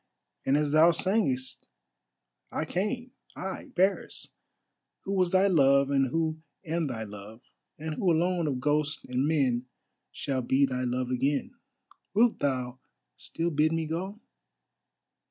And as thou sangest, I came, I Paris, who was thy love, and who am thy love, and who alone of ghosts and men shall be thy love again. Wilt thou still bid me go?"